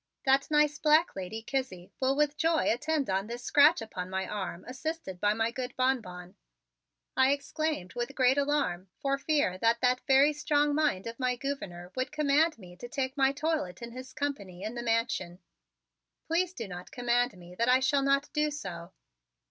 That nice black lady, Kizzie, will with joy attend on this scratch upon my arm, assisted by my good Bonbon," I exclaimed with great alarm for fear that that very strong mind of my Gouverneur would command me to make my toilet in his company in the Mansion. "Please do not command me that I shall not so do."